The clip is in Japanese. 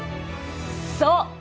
そう！